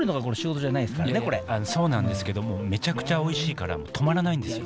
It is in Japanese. そうなんですけどもめちゃくちゃおいしいから止まらないんですよ。